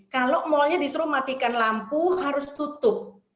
kalau malnya disuruh matikan lampu harus tutup